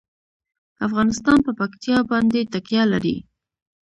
افغانستان په پکتیا باندې تکیه لري.